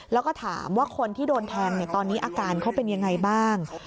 แล้วก็ถามว่าคนที่โดนแทงตอนนี้อาการเขาเป็นยังไงบ้าง